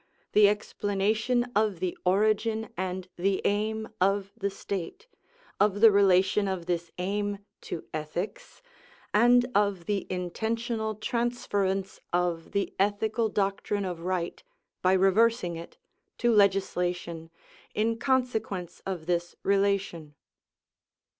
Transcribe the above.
The explanation of the origin and the aim of the state, of the relation of this aim to ethics, and of the intentional transference of the ethical doctrine of right, by reversing it, to legislation, in consequence of this relation.